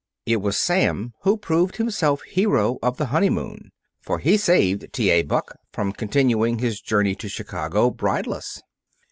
It was Sam who proved himself hero of the honeymoon, for he saved T. A. Buck from continuing his journey to Chicago brideless.